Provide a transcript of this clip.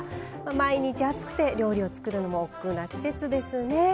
毎日、暑くて料理を作るのもおっくうな季節ですね。